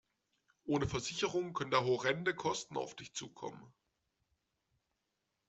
Ohne Versicherung können da horrende Kosten auf dich zukommen.